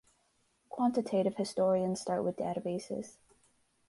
Quantitative historians start with databases.